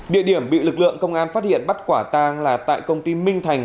địa điểm bị lực lượng công an phát hiện bắt quả tang là tại công ty minh thành